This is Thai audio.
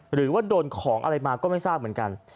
หรือว่าโดนของอะไรมาก็ไม่ทราบเหมือนกัน